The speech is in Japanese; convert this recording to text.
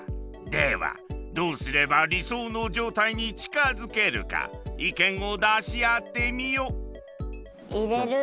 ではどうすれば理想の状態に近づけるか意見を出し合ってみよう。